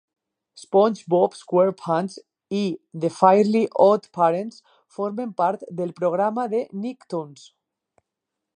"SpongeBob SquarePants" i "The Fairly OddParents" formen part del programa de Nicktoons.